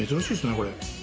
これ。